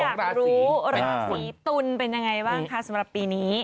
อยากรู้ราศีตุลเป็นยังไงบ้างคะสำหรับปีนี้